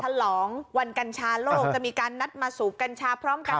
ฉลองวันกัญชาโลกจะมีการนัดมาสูบกัญชาพร้อมกัน